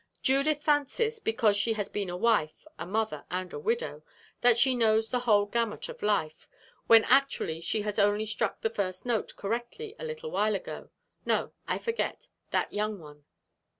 "Judith fancies, because she has been a wife, a mother, and a widow, that she knows the whole gamut of life, when actually she has only struck the first note correctly a little while ago no, I forget that young one.